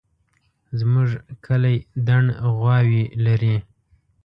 زموږ کلی دڼ غواوې لري